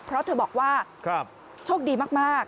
เพราะเธอบอกว่าโชคดีมาก